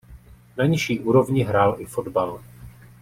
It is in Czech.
Na nižší úrovni hrál i fotbal.